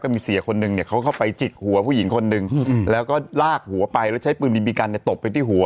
มีเสียคนนึงเนี่ยเขาเข้าไปจิกหัวผู้หญิงคนหนึ่งแล้วก็ลากหัวไปแล้วใช้ปืนบีบีกันเนี่ยตบไปที่หัว